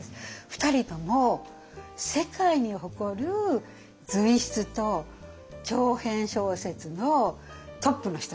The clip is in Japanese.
２人とも世界に誇る随筆と長編小説のトップの人なんですね。